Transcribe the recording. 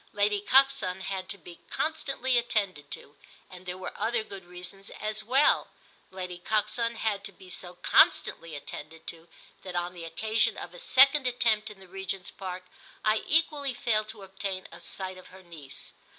Lady Coxon had to be constantly attended to, and there were other good reasons as well. Lady Coxon had to be so constantly attended to that on the occasion of a second attempt in the Regent's Park I equally failed to obtain a sight of her niece.